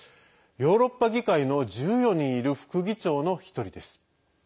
ヨーロッパ議会の１４人いる副議長の１人です。